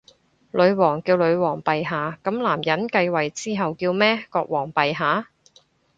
女王叫女皇陛下，噉男人繼位之後叫咩？國王陛下？